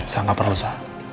sa nggak perlu sa